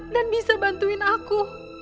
dan bisa bantuin aku